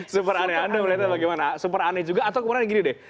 super aneh anda melihat apa gimana super aneh juga atau kemudian gini deh